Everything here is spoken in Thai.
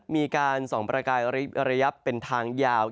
มีการส่องประกายระยะเป็นทางยาว